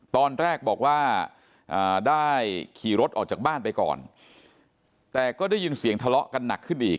ตอนแรกบอกว่าได้ขี่รถออกจากบ้านไปก่อนแต่ก็ได้ยินเสียงทะเลาะกันหนักขึ้นอีก